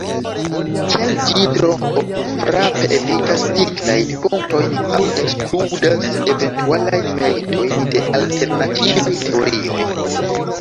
Tial ĝi tro okulfrape evitas tiklajn punktojn aŭ ekskludas eventualajn meritojn de alternativaj teorioj.